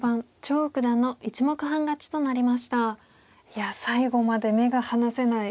いや最後まで目が離せない